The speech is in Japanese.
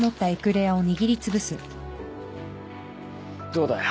どうだよ？